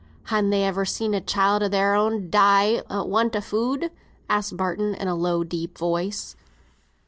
"Han they ever seen a child o' their'n die for want o' food?" asked Barton, in a low, deep voice.